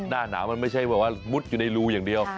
หน้าหนาวมันไม่ใช่แบบว่ามุดอยู่ในรูอย่างเดียว